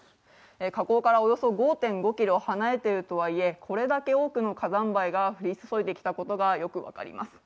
火口からおよそ５．５ｋｍ離れているとはいえこれだけ多くの火山灰が降り注いできたことがよく分かります。